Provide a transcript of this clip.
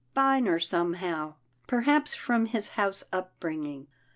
Finer somehow, per haps from his house upbringing."